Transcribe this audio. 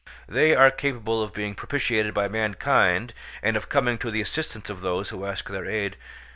They are capable of being propitiated by mankind and of coming to the assistance of those who ask their aid.